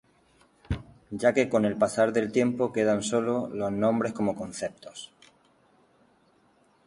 Ya que con el pasar del tiempo quedan solo los nombres como conceptos.